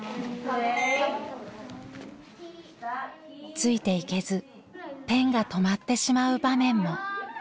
ついていけずペンが止まってしまう場面も。